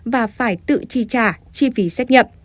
và phải tự tri trả